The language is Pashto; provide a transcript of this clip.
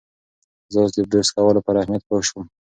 زه اوس د برس کولو پر اهمیت پوه شوم.